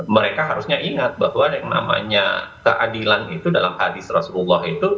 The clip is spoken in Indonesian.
mereka harusnya ingat bahwa yang namanya keadilan itu dalam hadis rasulullah itu